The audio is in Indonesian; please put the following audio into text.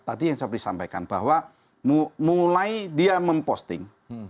tadi yang saya sampaikan bahwa mulai dia memposting